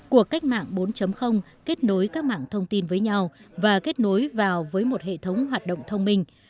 cuộc cách mạng bốn kết nối các mạng thông tin với nhau và kết nối vào với một hệ thống hoạt động thông minh